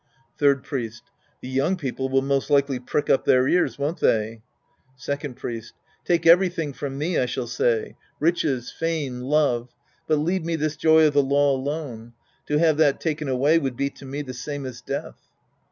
Third Priest. The young people will most likely prick up their ears, won't they ? Second Priest. Take everything from me, I shall say. Riches, fame, love. But leave me this joy of the law alone. To have that taken away would be to me the same as death.